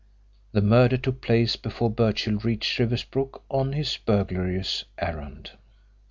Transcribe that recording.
The murder took place before Birchill reached Riversbrook on his burglarious errand.